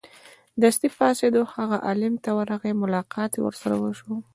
دستې پاڅېد هغه عالم ت ورغی ملاقات یې ورسره وشو.